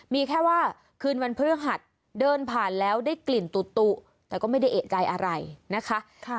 มีแค่ว่าคืนวันพฤหัสเดินผ่านแล้วได้กลิ่นตุ๊แต่ก็ไม่ได้เอกใจอะไรนะคะ